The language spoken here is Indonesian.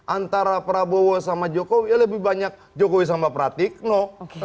antara prabowo sama jokowi ya lebih banyak jokowi sama pratikno